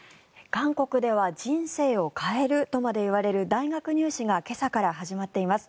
韓国では人生を変えるとまで言われる大学入試が今朝から始まっています。